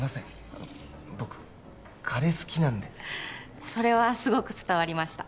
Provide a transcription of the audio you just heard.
あの僕カレー好きなんでそれはすごく伝わりました